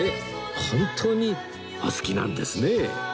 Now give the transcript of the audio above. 本当にお好きなんですね